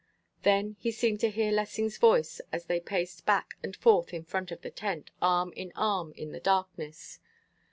Then he seemed to hear Lessing's voice as they paced back and forth in front of the tent, arm in arm in the darkness.